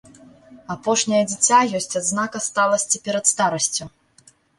Апошняе дзіця ёсць адзнака сталасці перад старасцю.